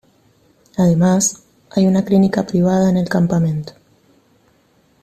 Además, hay una clínica privada en el campamento.